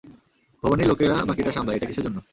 ভবানীর লোকেরা বাকিটা সামলায়, এটা কীসের জন্য?